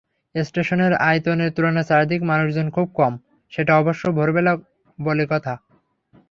স্টেশনের আয়তনের তুলনায় চারদিকে মানুষজন খুব কম, সেটা অবশ্য ভোরবেলা বলে কথা।